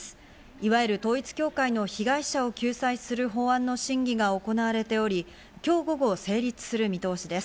いわゆる統一教会の被害者を救済する法案の審議が行われており、今日午後、成立する見通しです。